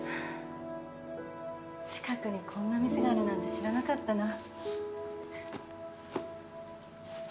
近くにこんな店があるなんて知らなかったな。